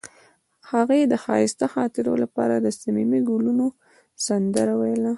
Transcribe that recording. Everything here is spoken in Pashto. هغې د ښایسته خاطرو لپاره د صمیمي ګلونه سندره ویله.